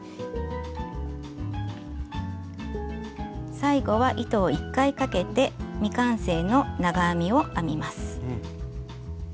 最後は糸を１回かけて未完成の長編みを編みます。